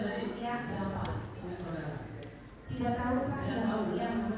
apakah banyak lagi masyarakat yang itu